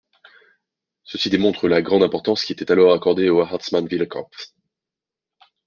Ceci démontre la grande importance qui était alors accordée au Hartmannswillerkopf.